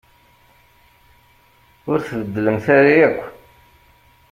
Ur tbeddlemt ara akk.